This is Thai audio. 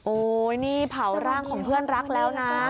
โอ้ยนี่เผาร่างของเพื่อนรักแล้วนะ